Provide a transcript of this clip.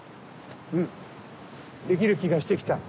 うんできる気がして来た。